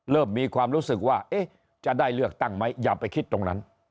เริ่มมีความรู้สึกว่าจะได้เลือกตั้งไหมอย่าไปคิดตรงนั้น